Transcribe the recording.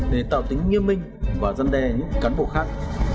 để tạo tính nghiêm minh và dân đe những cán bộ khác